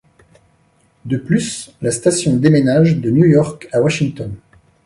De plus, la station déménage de New-York à Washington.